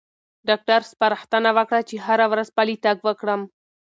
ډاکټر سپارښتنه وکړه چې هره ورځ پلی تګ وکړم.